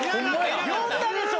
呼んだでしょ。